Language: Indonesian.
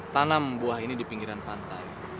tanam buah ini di pinggiran pantai